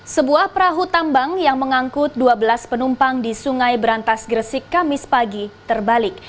sebuah perahu tambang yang mengangkut dua belas penumpang di sungai berantas gresik kamis pagi terbalik